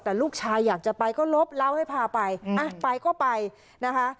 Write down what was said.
แต่ลูกชายอยากจะไปก็ลบเล่าให้พาไปอ่ะไปไปก็ไปนะคะ